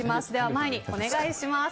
前にお願いします。